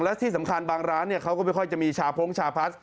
และที่สำคัญบางร้านเขาก็ไม่ค่อยจะมีชาพงชาพัส